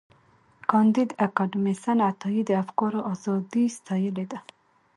کانديد اکاډميسن عطایي د افکارو ازادي ستایلې ده.